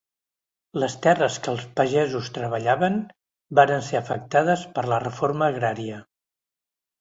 Les terres que els pagesos treballaven, varen ser afectades per la reforma agrària.